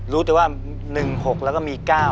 รู้แต่ว่า๑๖แล้วก็มี๙